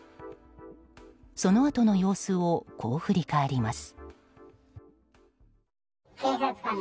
そのあとの様子をこう振り返ります。